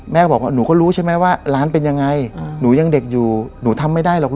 แม่บอกว่าหนูก็รู้ใช่ไหมว่าร้านเป็นยังไงอืม